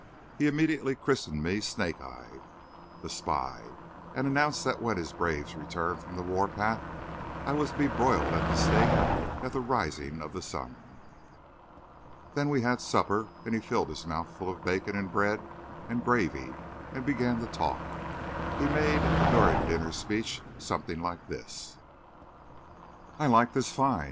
He immediately christened me Snake eye, the Spy, and announced that, when his braves returned from the warpath, I was to be broiled at the stake at the rising of the sun. Then we had supper; and he filled his mouth full of bacon and bread and gravy, and began to talk. He made a during dinner speech something like this: "I like this fine.